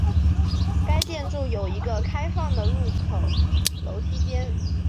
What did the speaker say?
该建筑有一个开放的入口楼梯间。